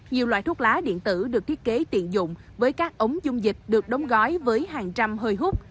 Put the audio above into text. nhiều loại thuốc lá điện tử được thiết kế tiện dụng với các ống dung dịch được đóng gói với hàng trăm hơi hút